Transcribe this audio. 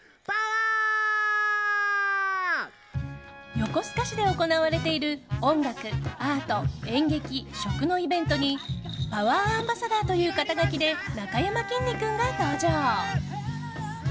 横須賀市で行われている音楽、アート演劇、食のイベントにパワーアンバサダーという肩書きでなかやまきんに君が登場！